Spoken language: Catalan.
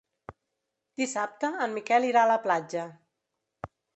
Dissabte en Miquel irà a la platja.